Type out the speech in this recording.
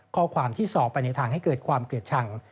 ข้อความที่สอบไปในทางให้เกิดความเกลียดชัง